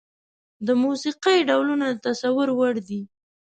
د موسيقي ډولونه د تصور وړ دي.